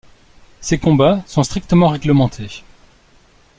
Ces combats sont strictement réglementés.